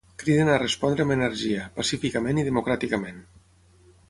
Criden a respondre amb energia, pacíficament i democràticament.